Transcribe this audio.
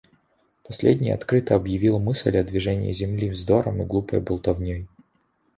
Последний открыто объявил мысль о движении Земли вздором и глупой болтовней.